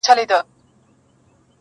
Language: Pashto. نه په لاس كي وو اثر د خياطانو،